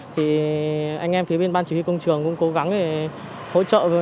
thì anh em thấy bên ban chỉ huy công trường cũng cố gắng để hỗ trợ